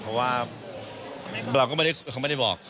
เพราะว่าเขาไม่ได้บอก